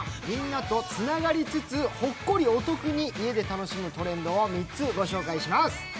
みんなとつながりつつ、ほっこり家で楽しむトレンドを３つご紹介します。